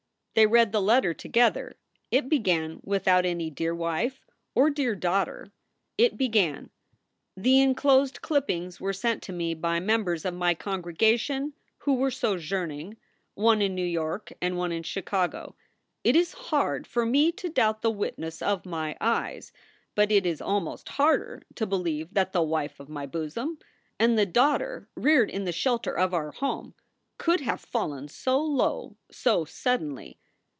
They read the letter together. It began without any " Dear Wife" or "Dear Daughter." It began: The inclosed clippings were sent to me by members of my con gregation who were sojourning, one in New York and one in Chicago. It is hard for me to doubt the witness of my eyes, but it is almost harder to believe that the wife of my bosom and the daughter reared in the shelter of our home could have fallen so low so sud denly.